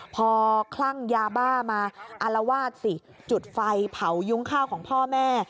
พอคลั่งยาบ้ามาอารวาสสิจุดไฟเผายุ้งข้าวของพ่อแม่